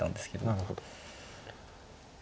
なるほど。